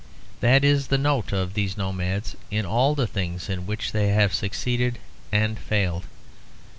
That is the note of these nomads in all the things in which they have succeeded and failed.